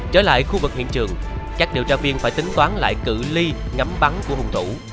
trở lại khu vực hiện trường các điều tra viên phải tính toán lại cử ly ngắm bắn của hung thủ